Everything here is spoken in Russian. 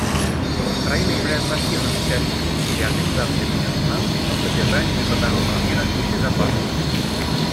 Украина является активным участником усилий Организации Объединенных Наций по поддержанию международного мира и безопасности.